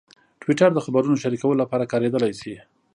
ټویټر د خبرونو شریکولو لپاره کارېدلی شي.